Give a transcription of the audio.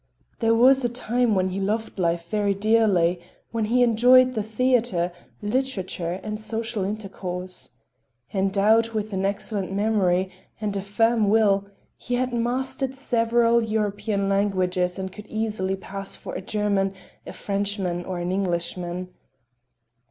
There was a time when he loved life very dearly, when he enjoyed the theater, literature and social intercourse. Endowed with an excellent memory and a firm will, he had mastered several European languages and could easily pass for a German, a Frenchman or an Englishman.